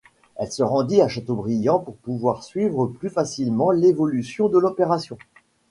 Il se rendit à Châteaubriant pour pouvoir suivre plus facilement l'évolution de l'opération.